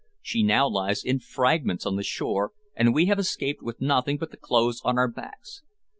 She now lies in fragments on the shore, and we have escaped with nothing but the clothes on our backs.